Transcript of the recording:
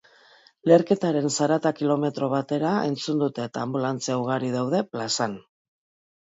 Leherketaren zarata kilometro batera entzun dute eta anbulantzia ugari daude plazan.